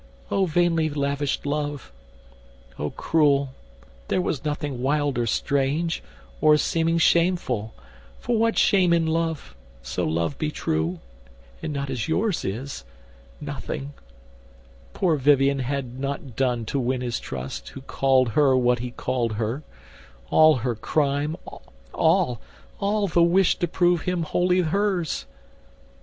O vainly lavished love! O cruel, there was nothing wild or strange, Or seeming shameful—for what shame in love, So love be true, and not as yours is—nothing Poor Vivien had not done to win his trust Who called her what he called her—all her crime, All—all—the wish to prove him wholly hers."